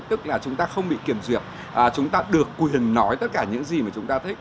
tức là chúng ta không bị kiểm duyệt chúng ta được quyền nói tất cả những gì mà chúng ta thích